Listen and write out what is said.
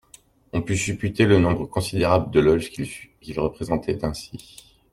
On put supputer le nombre considérable de Loges qu'il représentait ainsi.